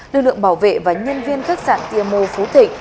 lực lượng bảo vệ và nhân viên khách sạn ti mô phú thịnh